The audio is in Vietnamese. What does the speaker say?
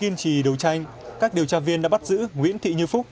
kiên trì đấu tranh các điều tra viên đã bắt giữ nguyễn thị như phúc